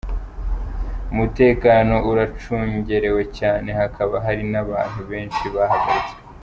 Umutekano uracungerewe cane, hakaba hari n’abantu benshi bahagaritswe.